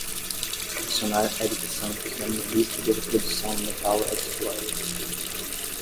adicionar erik santos na minha lista de reprodução Metal Xplorer